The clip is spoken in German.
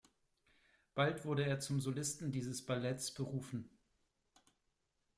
Bald wurde er zum Solisten dieses Balletts berufen.